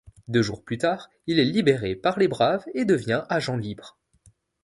Deux jours plus tard, il est libéré par les Braves et devient agent libre.